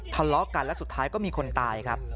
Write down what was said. ทะเลาะกันและสุดท้ายก็มีคนตายครับ